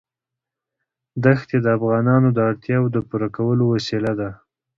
دښتې د افغانانو د اړتیاوو د پوره کولو وسیله ده.